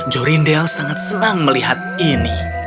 jorindel sangat senang melihat ini